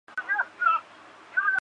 其后赴美国留学。